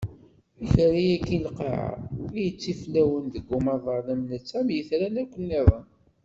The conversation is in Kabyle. Akerra-agi n lqaɛa i yettiflawen deg umaḍal am netta am yitran akk niḍen.